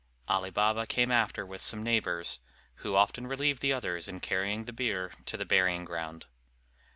Ali Baba came after with some neighbors, who often relieved the others in carrying the bier to the burying ground.